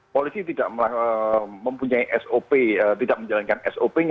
polisi tidak mempunyai sop tidak menjalankan sop nya